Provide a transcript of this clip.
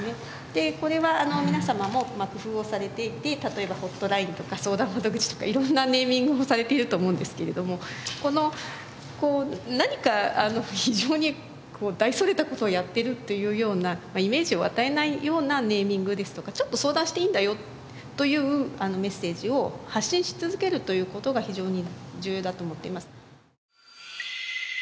でこれは皆様も工夫をされていて例えばホットラインとか相談窓口とか色んなネーミングをされていると思うんですけれどもこの何か非常に大それた事をやっているというようなイメージを与えないようなネーミングですとかちょっと相談していいんだよというメッセージを発信し続けるという事が非常に重要だと思っています。